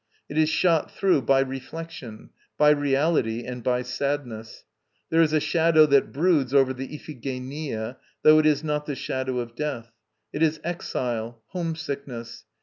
It is shot through by reflection, by reality and by sadness. There is a shadow that broods over the Iphigenia, though it is not the shadow of death. It is exile, homesickness.